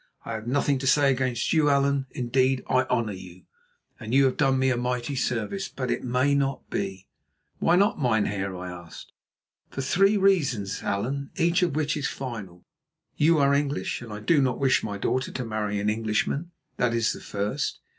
"I have nothing to say against you, Allan; indeed, I honour you, and you have done me a mighty service, but it may not be." "Why not, mynheer?" I asked. "For three reasons, Allan, each of which is final. You are English, and I do not wish my daughter to marry an Englishman; that is the first.